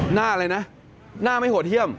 หน้าอะไรนะหน้าไม่โหดเยี่ยม